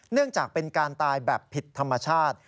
เนื่องจากเป็นการตายแบบผิดธรรมชาติ